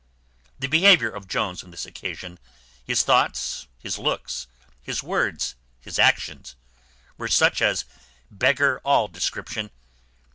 The behaviour of Jones on this occasion, his thoughts, his looks, his words, his actions, were such as beggar all description.